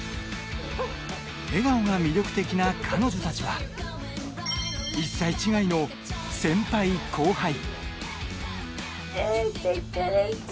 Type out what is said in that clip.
笑顔が魅力的な彼女たちは１歳違いの先輩・後輩。